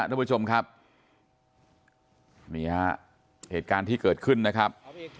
ทุกผู้ชมครับนี่ฮะเหตุการณ์ที่เกิดขึ้นนะครับ